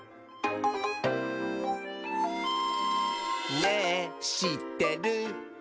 「ねぇしってる？」